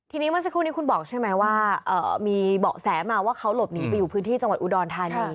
ทีนี้เมื่อสักครู่นี้คุณบอกใช่ไหมว่ามีเบาะแสมาว่าเขาหลบหนีไปอยู่พื้นที่จังหวัดอุดรธานี